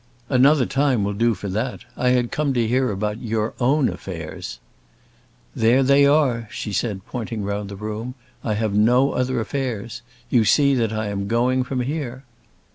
"Another time will do for that. I had come to hear about your own affairs." "There they are," she said, pointing round the room. "I have no other affairs. You see that I am going from here."